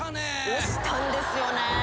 推したんですよね。